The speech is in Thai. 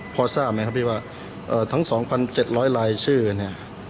พอทราบไหมครับพี่ว่าเอ่อทั้งสองพันเจ็ดร้อยลายชื่อเนี้ย